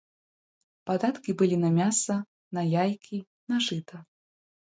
Падаткі былі на мяса, на яйкі, на жыта.